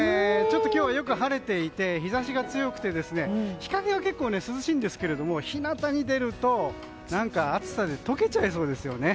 今日よく晴れていて日差しが強くて日陰は結構、涼しいんですけど日なたに出ると暑さで溶けちゃいそうですよね。